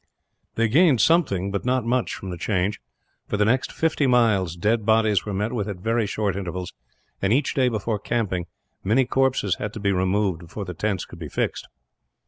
They gained something, but not much, from the change. For the next fifty miles, dead bodies were met with at very short intervals and, each day before camping, many corpses had to be removed before the tents could be fixed.